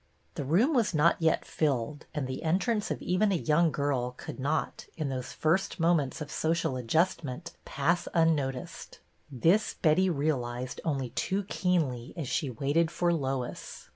j The room was not yet filled, and the en j trance of even a young girl could not, in | those first moments of social adjustment, | pass unnoticed ; this Betty realized only too j keenly as she waited for Lois.